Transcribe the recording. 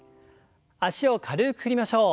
脚を軽く振りましょう。